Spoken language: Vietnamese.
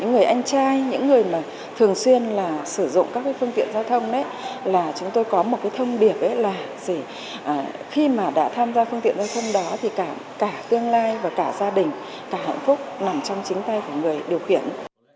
những người chồng những người anh trai những người thường xuyên sử dụng các phương tiện giao thông là chúng tôi có một thông điệp là khi mà đã tham gia phương tiện giao thông đó thì cả tương lai và cả gia đình cả hạnh phúc nằm trong chính tay của người điều khiển